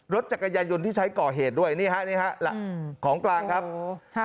รถจักรยานยนต์ที่ใช้ก่อเหตุด้วยนี่ฮะนี่ฮะของกลางครับโอ้ฮะ